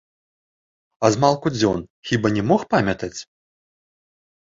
А змалку дзён хіба не мог памятаць?